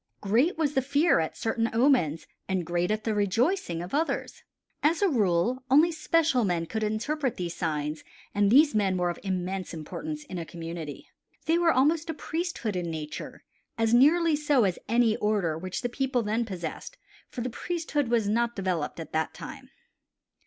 Great was the fear at certain omens, and great the rejoicing at others. As a rule only special men could interpret these signs and these men were of immense importance in a community. They were almost a priesthood in nature, as nearly so as any order which the people then possessed, for the priesthood was not developed at that time.